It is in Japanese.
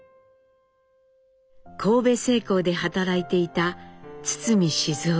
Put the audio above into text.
神戸製鋼で働いていた堤雄です。